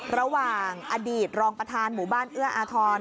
ระหว่างอดีตรองประธานหมู่บ้านเอื้ออาทร